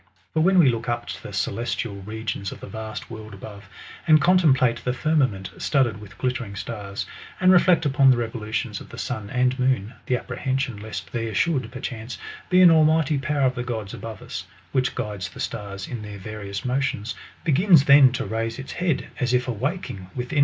For when we look up to the celestial regions of the vast world above, and contemplate the firmament studded with glittering stains, and reflect upon the revolutions of the sun and moon, the apprehension lest there should, perchance, be an almighty power of the gods above us, which guides the stars in their various motions, begins then to raise its head, as if awaking,, within our breast ; an from the suggestion of Wakefield.